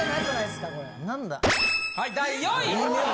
はい第４位！